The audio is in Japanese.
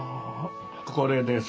これです。